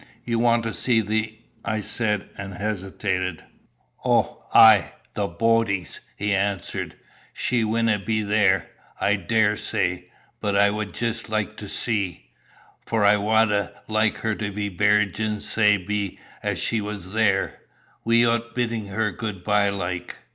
"You want to see the " I said, and hesitated. "Ow ay the boadies," he answered. "She winna be there, I daursay, but I wad jist like to see; for I wadna like her to be beeried gin sae be 'at she was there, wi'oot biddin' her good bye like."